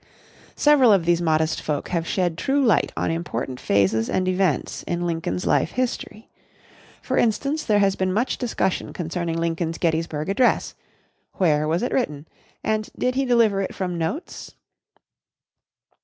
Several of these modest folk have shed true light on important phases and events in Lincoln's life history. For instance, there has been much discussion concerning Lincoln's Gettysburg Address where was it written, and did he deliver it from notes?